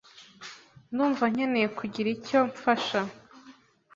Ndumva nkeneye kugira icyo mfasha